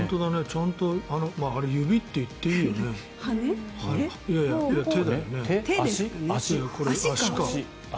ちゃんとあれ指っていっていいよね、足か。